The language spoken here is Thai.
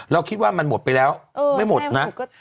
เราคิดว่ามันหมดไปแล้วไม่หมดนะ